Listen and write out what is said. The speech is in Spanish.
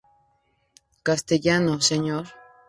Castellano, "Señor".